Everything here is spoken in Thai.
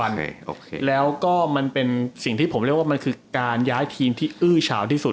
ในในในในในใน